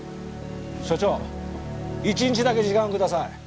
署長１日だけ時間をください。